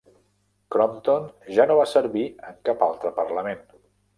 Crompton ja no va servir en cap altre parlament.